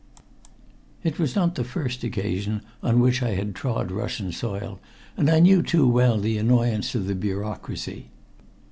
It was not the first occasion on which I had trod Russian soil, and I knew too well the annoyances of the bureaucracy.